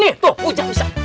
nih tuh ujah bisa